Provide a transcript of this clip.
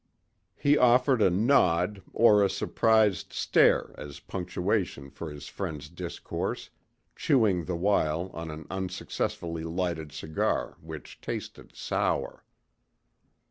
He offered a nod or a surprised stare as punctuation for his friend's discourse, chewing the while on an unsuccessfully lighted cigar which tasted sour.